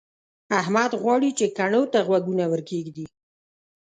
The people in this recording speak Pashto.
احمد غواړي چې کڼو ته غوږونه ورکېږدي.